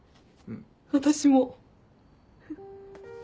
私も。